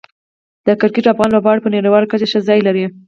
د کرکټ افغان لوبغاړو په نړیواله کچه ښه ځای لري.